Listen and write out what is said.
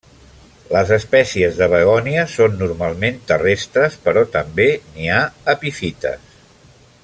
Les espècies de begònia són normalment terrestres però també n'hi ha epífites.